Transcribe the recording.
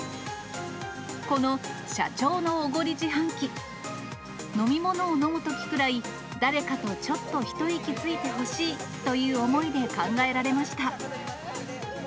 この社長のおごり自販機、飲み物を飲むときくらい、誰かとちょっと一息ついてほしいという思いで考えられました。